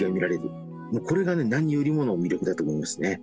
これがね何よりもの魅力だと思いますね。